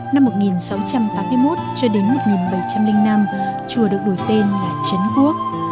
năm một nghìn sáu trăm tám mươi một cho đến một nghìn bảy trăm linh năm chùa được đổi tên là trấn quốc